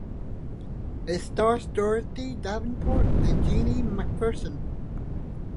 It stars Dorothy Davenport and Jeanie Macpherson.